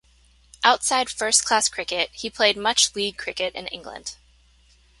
Outside first-class cricket, he played much League cricket in England.